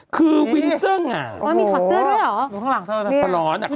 คือวินเซอร์หง่าโอ้โหมีทอสเซอร์ด้วยหรออยู่ข้างหลังเท่านั้น